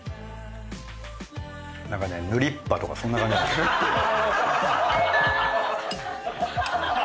なんかね塗りっぱとかそんな感じだよね。